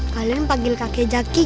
kalian panggil kakek jaki